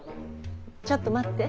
ちょっと待って。